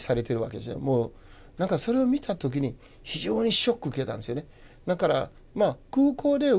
なんかそれを見た時に非常にショック受けたんですよね。